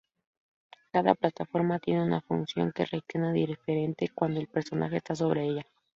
Cada plataforma tiene una función que reacciona diferente cuando el personaje está sobre ella.